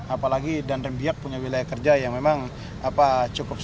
apalagi dan rembiak punya wilayah kerja yang memang cukup stabil